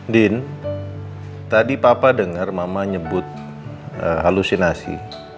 din tadi papa denger mama nyebut halusinasi